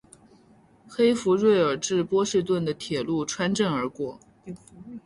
黑弗瑞尔至波士顿的铁路穿镇而过。